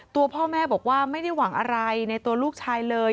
ตัวพ่อแม่บอกว่าไม่ได้หวังอะไรในตัวลูกชายเลย